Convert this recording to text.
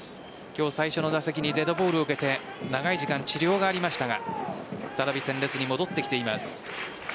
今日、最初の打席にデッドボールを受けて長い時間、治療がありましたが再び戦列に戻ってきています。